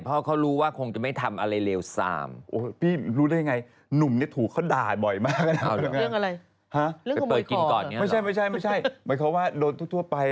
แต่อันนี้ก็คือผิดเออเราผิดอันนี้เราผิดจะไปอ้างว่ามาจากเมืองไทย